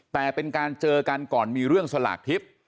แต่เป็นการเจอกันก่อนมีเรื่องสลากทิพย์